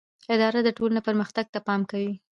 اداره د ټولنې پرمختګ ته پام کوي.